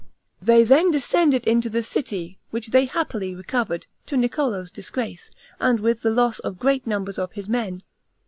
They then descended into the city, which they happily recovered, to Niccolo's disgrace, and with the loss of great numbers of his men.